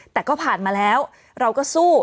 แต่ก็ผ่านมาแล้วเราก็สู้